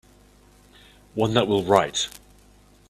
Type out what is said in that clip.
One that will write.